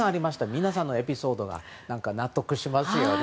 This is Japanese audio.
皆さんのエピソードは納得しますよね。